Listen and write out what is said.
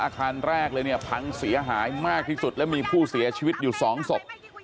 อาคารแรกเลยเนี่ยพังเสียหายมากที่สุดแล้วมีผู้เสียชีวิตอยู่๒ศพ